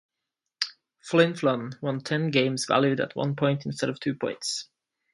Flin Flon won ten games valued at one point instead of two points.